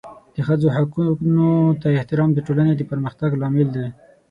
د ښځو حقونو ته احترام د ټولنې د پرمختګ لامل دی.